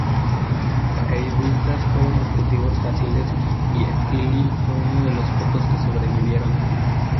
Los paracaidistas fueron objetivos fáciles y Steele fue uno de los pocos que sobrevivieron.